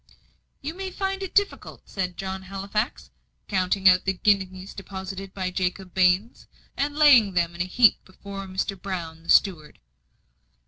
"You may find it difficult," said John Halifax, counting out the guineas deposited by Jacob Baines, and laying them in a heap before Mr. Brown, the steward.